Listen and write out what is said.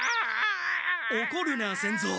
おこるな仙蔵。